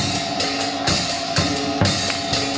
สวัสดี